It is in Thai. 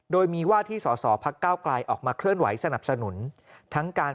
โดยมีว่าที่สอสอพักเก้าไกลออกมาเคลื่อนไหวสนับสนุนทั้งการ